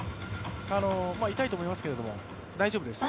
痛いと思いますけど、大丈夫です。